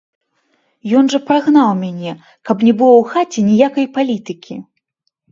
Ён жа прагнаў мяне, каб не было ў хаце ніякай палітыкі!